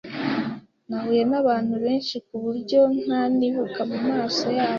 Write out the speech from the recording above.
Nahuye nabantu benshi kuburyo ntanibuka mumaso yabo.